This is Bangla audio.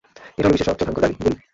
এটা হলো বিশ্বের সবচেয়ে ভয়ংকর গলি।